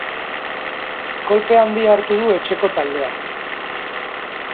Kolpe handia hartu du etxeko taldeak.